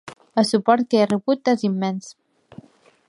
El suport que he rebut és immens.